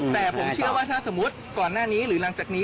แต่ผมเชื่อว่าถ้าสมมุติก่อนหน้านี้หรือหลังจากนี้